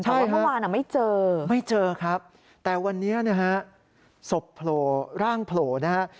ใช่ครับไม่เจอครับแต่วันนี้นะฮะศพโผล่ร่างโผล่นะฮะ